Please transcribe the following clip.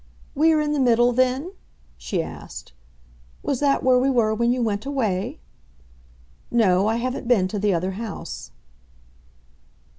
"We are in the middle, then?" she asked. "Was that where we were when you went away? No, I haven't been to the other house."